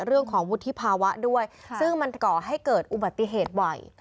เรื่องของวุฒิภาวะด้วยซึ่งมันก่อให้เกิดอุบัติเหตุบ่อย